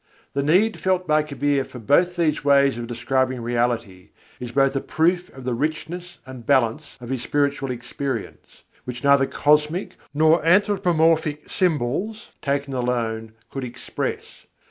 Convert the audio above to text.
The need felt by Kabîr for both these ways of describing Reality is a proof of the richness and balance of his spiritual experience; which neither cosmic nor anthropomorphic symbols, taken alone, could express.